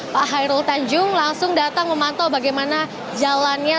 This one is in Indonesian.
pak hairul tanjung langsung datang memantau bagaimana jalannya